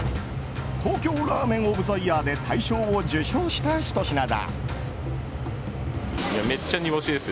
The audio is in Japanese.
東京ラーメン・オブ・ザ・イヤーで大賞を受賞したひと品だ。